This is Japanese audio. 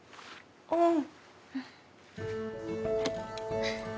うん。